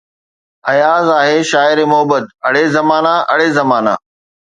آياز آھي شاعرِ محبت، اڙي زمانا اڙي زمانا